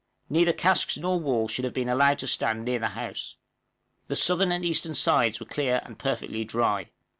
Neither casks nor walls should have been allowed to stand near the house. The southern and eastern sides were clear and perfectly dry.